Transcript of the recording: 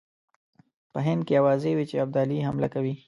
په هند کې آوازې وې چې ابدالي حمله کوي.